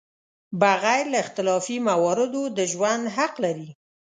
بغیر له اختلافي مواردو د ژوند حق لري.